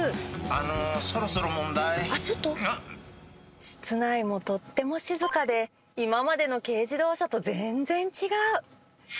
あのそろそろ問題室内もとっても静かで今までの軽自動車と全然違う。